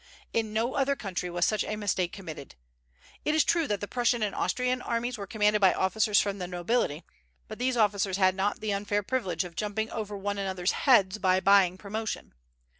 In no other country was such a mistake committed. It is true that the Prussian and Austrian armies were commanded by officers from the nobility; but these officers had not the unfair privilege of jumping over one another's heads by buying promotion.